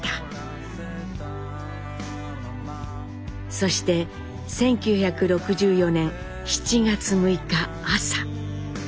そして１９６４年７月６日朝。